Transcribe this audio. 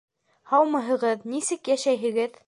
Һаумыһығыҙ! Нисек йәшәйһегеҙ?